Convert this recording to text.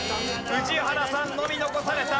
宇治原さんのみ残された。